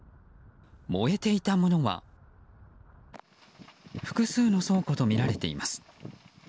燃えていたものは複数の倉庫とみられています。